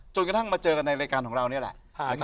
จนกระทั่งมาเจอกันในรายการของเรานี่แหละหลายครับ